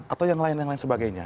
atau yang lain yang lain sebagainya